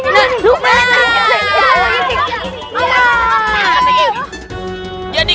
jadi kita harus berhenti